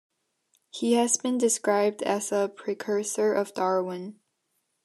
He has been described as a "precursor of Darwin".